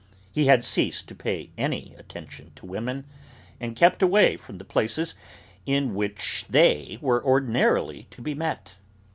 He had ceased to pay any attention to women, and kept away from the places in which they were ordinarily to be met.